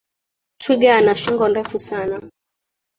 Twiga ana shingo ndefu sana